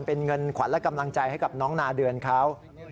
เป็นเงินขวัญและกำลังใจให้กับน้องนาเดือนเขา